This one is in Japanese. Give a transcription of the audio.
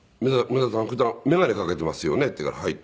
普段眼鏡かけていますよね？」って言うから「はい」って。